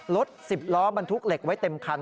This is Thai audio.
รถ๑๐ล้อบรรทุกเหล็กไว้เต็มคัน